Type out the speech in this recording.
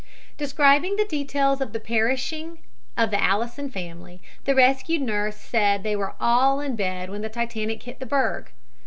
Describing the details of the perishing of the Allison family, the rescued nurse said they were all in bed when the Titanic hit the berg.